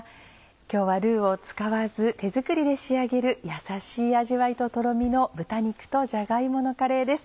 今日はルーを使わず手作りで仕上げるやさしい味わいととろみの「豚肉とじゃが芋のカレー」です。